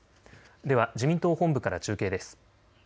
では自民党本部から中継です。